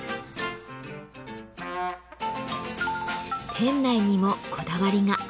店内にもこだわりが。